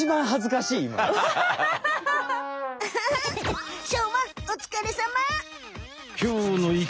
しょうまおつかれさま！